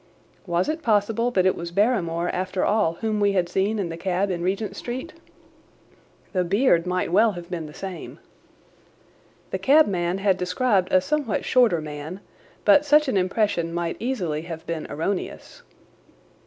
Was it possible that it was Barrymore, after all, whom we had seen in the cab in Regent Street? The beard might well have been the same. The cabman had described a somewhat shorter man, but such an impression might easily have been erroneous.